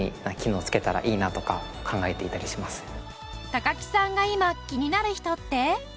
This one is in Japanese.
高木さんが今気になる人って？